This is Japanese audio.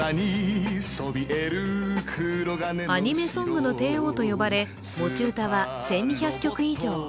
アニメソングの帝王と呼ばれ持ち歌は１２００曲以上。